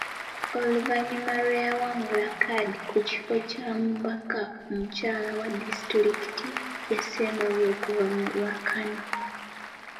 Oluvannyuma lw'eyawangula kkaadi ku kifo ky'omubaka omukyala owa disitulikiti y'e Ssembabule okuva mu lwokaano.